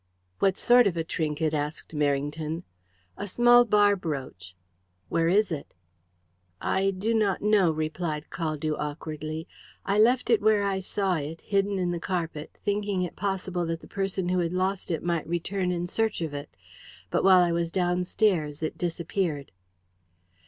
"What sort of a trinket?" asked Merrington. "A small bar brooch." "Where is it?" "I do not know," replied Caldew awkwardly. "I left it where I saw it, hidden in the carpet, thinking it possible that the person who had lost it might return in search of it, but while I was downstairs it disappeared."